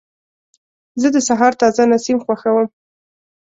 زه د سهار تازه نسیم خوښوم.